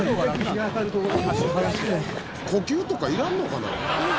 「呼吸とかいらんのかな」